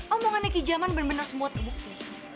omongannya kijaman benar benar semua terbukti